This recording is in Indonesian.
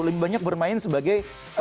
lebih banyak bermain sebagai